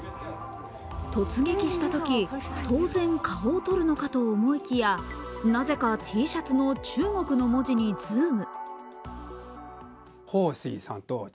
突撃したとき、当然、顔をとるのかと思いきやなぜかＴシャツの中国の文字にズーム。